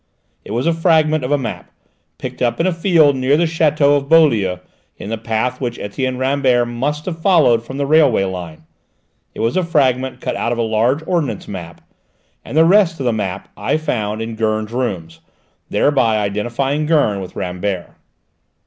It was a fragment of a map, picked up in a field near the château of Beaulieu, in the path which Etienne Rambert must have followed from the railway line; it was a fragment cut out of a large ordnance map, and the rest of the map I found in Gurn's rooms, thereby identifying Gurn with Rambert.